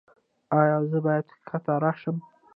ایا زه باید ښکته راشم؟